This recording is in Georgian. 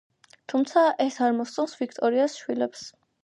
თუმცა ეს არ მოსწონს ვიქტორიას შვილებს.